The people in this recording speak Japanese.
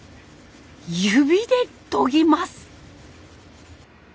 指で研ぎます。